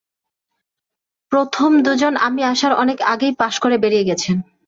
প্রথম দুজন আমি আসার অনেক আগেই পাস করে বের হয়ে গেছেন।